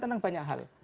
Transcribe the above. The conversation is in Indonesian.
tenang banyak hal